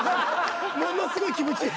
ものすごい気持ちいい。